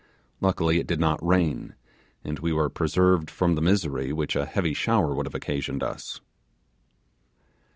Luckily it did not rain, and we were preserved from the misery which a heavy shower would have occasioned us.